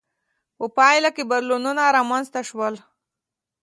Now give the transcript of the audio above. په پایله کې بدلونونه رامنځته شول.